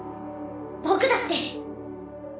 僕だって。